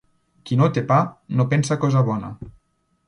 Qui no té pa, no pensa cosa bona.